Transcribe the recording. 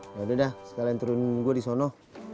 yaudah sekalian turunin gue di sono